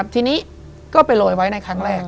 ทีนี้ก็ไปโรยไว้ในครั้งแรก